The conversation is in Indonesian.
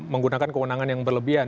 menggunakan keunangan yang berlebihan